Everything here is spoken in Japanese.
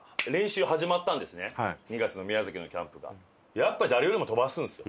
やっぱり誰よりも飛ばすんですよ